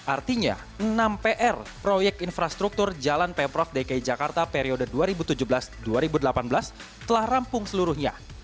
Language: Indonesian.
artinya enam pr proyek infrastruktur jalan pemprov dki jakarta periode dua ribu tujuh belas dua ribu delapan belas telah rampung seluruhnya